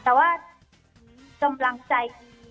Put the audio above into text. แต่ว่ากำลังใจคือ